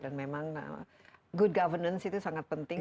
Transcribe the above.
dan memang good governance itu sangat penting